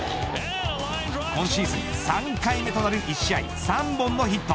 今シーズン３回目となる１試合３本のヒット。